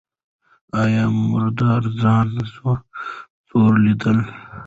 ایا مراد ځان زوړ لید؟